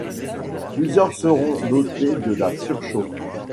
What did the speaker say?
Plusieurs seront dotées de la surchauffe.